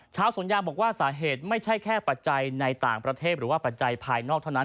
สวนยางบอกว่าสาเหตุไม่ใช่แค่ปัจจัยในต่างประเทศหรือว่าปัจจัยภายนอกเท่านั้น